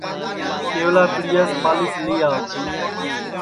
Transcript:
کیولا پِٹیاس پالِیس لی آو